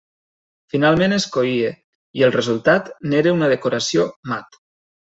Finalment es coïa, i el resultat n'era una decoració mat.